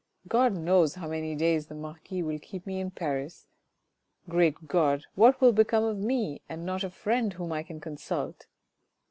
God knows how many days the marquis will keep me in Paris. Great God, what will become of me, and not a friend whom I can consult